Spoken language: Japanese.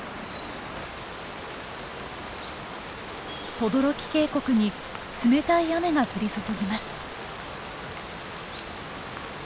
等々力渓谷に冷たい雨が降り注ぎます。